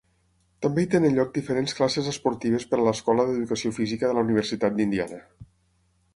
També hi tenen lloc diferents classes esportives per a l'Escola d'Educació Física de la Universitat d'Indiana.